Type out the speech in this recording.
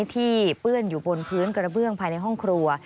เปื้อนอยู่บนพื้นกระเบื้องภายในห้องครัว